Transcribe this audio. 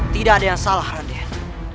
tidak ada yang salah raden